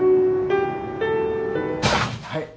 はい。